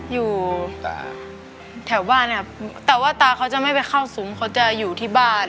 อยู่แถวบ้านเนี่ยแต่ว่าตาเขาจะไม่ไปเข้าซุ้มเขาจะอยู่ที่บ้าน